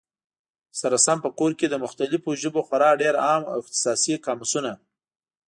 سره سم په کور کي، د مختلفو ژبو خورا ډېر عام او اختصاصي قاموسونه